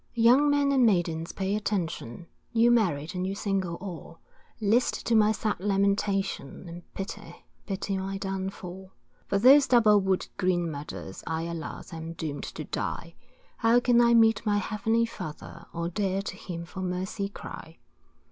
Young men and maidens pay attention, You married and you single all, List to my sad lamentation, And pity, pity my downfall; For those double Wood Green murders, I alas am doom'd to die, How can I meet my heavenly father, Or dare to him for mercy cry.